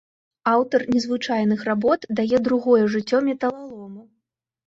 Аўтар незвычайных работ дае другое жыццё металалому.